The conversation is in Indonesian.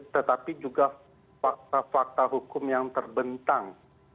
tetapi juga fakta fakta hukum yang terbentang